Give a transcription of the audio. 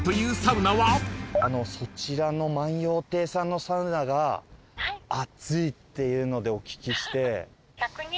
そちらの万葉亭さんのサウナが熱いっていうのでお聞きして。